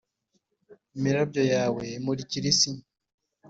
imirabyo yawe imurikira isi,